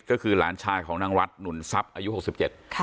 ก็คือหลานชายของนางรัฐหนุ่นทรัพย์อายุหกสิบเจ็ดค่ะ